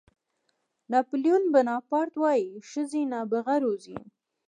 ناپلیون بناپارټ وایي ښځې نابغه روزي.